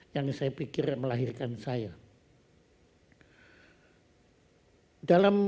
yang saya pikir melahirkan saya